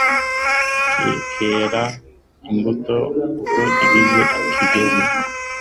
kikera imbuto uko igihe kigeze